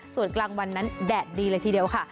ส่วนกลางวันนั้นแดดดีเลยทีเดียวค่ะ